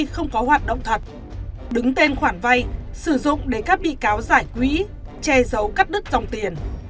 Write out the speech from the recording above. không có hoạt động thật đứng tên khoản vay sử dụng để các bị cáo giải quỹ che giấu cắt đứt dòng tiền